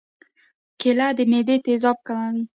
کېله د معدې تیزاب کموي.